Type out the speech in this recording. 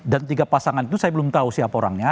dan tiga pasangan itu saya belum tahu siapa orangnya